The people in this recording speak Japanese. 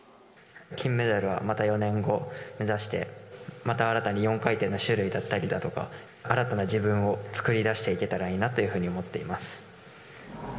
金メダルはまた４年後目指して、また新たに４回転の種類だったりだとか、新たな自分を作り出せていけたらいいなというふうに思っています。